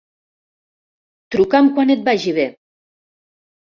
Truca'm quan et vagi bé.